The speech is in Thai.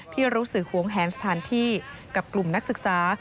ที่รู้สึกหวงแหนสถานที่กับกลุ่มนักศึกษา